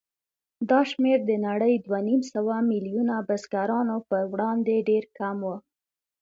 دا شمېر د نړۍ دوهنیمسوه میلیونه بزګرانو په وړاندې ډېر کم و.